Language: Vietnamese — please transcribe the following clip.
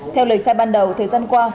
theo lời khai ban đầu thời gian qua